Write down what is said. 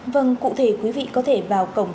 vâng cụ thể quý vị có thể vào cổng